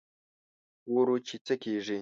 ګورو چې څه کېږي.